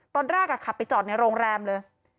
ตอนแรกขับไปจอดในโรงแรมเลย